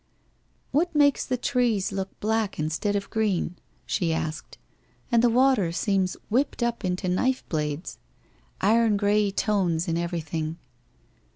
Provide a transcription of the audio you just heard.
'What makes the trees look black instead of green?' she asked, ' and the water seems whipped up into knife blades ? Iron grey tones in everything